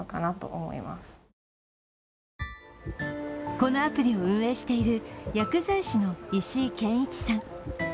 このアプリを運営している薬剤師の石井健一さん。